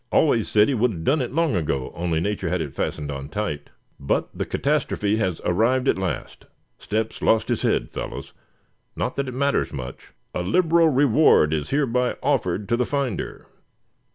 Always said he would have done it long ago, only Nature had it fastened on tight. But the catastrophe has arrived at last. Step's lost his head, fellows; not that it matters much. A liberal reward is hereby offered to the finder.